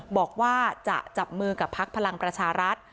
บอกว่าจะจับมือกับพักพลังประชารัฐ